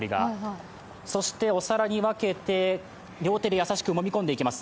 そしてお皿に分けて両手で優しくもみ込んでいきます。